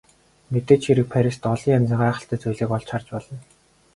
Мэдээж хэрэг Парист олон янзын гайхалтай зүйлийг олж харж болно.